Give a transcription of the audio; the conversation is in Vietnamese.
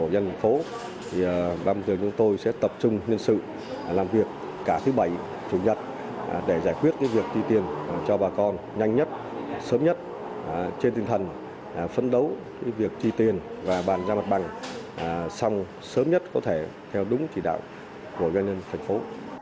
thực hiện theo trị đạo của dân phố bàn bồi thường chúng tôi sẽ tập trung nhân sự làm việc cả thứ bảy thứ nhất để giải quyết việc chi tiền cho bà con nhanh nhất sớm nhất trên tinh thần phấn đấu việc chi tiền và bàn ra mặt bằng xong sớm nhất có thể theo đúng trị đạo của doanh nhân thành phố